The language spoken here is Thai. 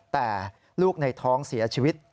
แต่ลูกในท้องเสียชีวิต